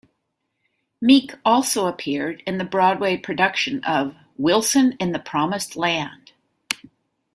Meek also appeared in the Broadway production of "Wilson in the Promised Land".